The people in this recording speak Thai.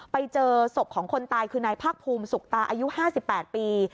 ไปเจอศพของคนตายคือนายภาคภูมิสุขตาอายุ๕๘ปี